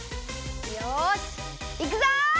よしいくぞ！